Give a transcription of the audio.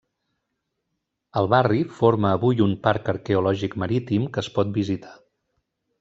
El barri forma avui un parc arqueològic marítim que es pot visitar.